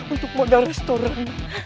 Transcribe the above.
untuk modal restoran